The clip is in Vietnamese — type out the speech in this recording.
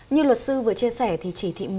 như luật sư vừa chia sẻ thì chỉ thị một mươi